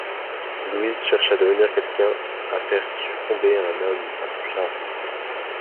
Louise cherche à devenir quelqu’un, à faire succomber un homme à son charme.